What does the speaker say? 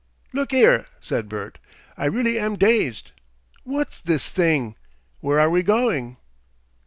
"Look 'ere," said Bert. "I really am dazed. What's this thing? Where are we going?"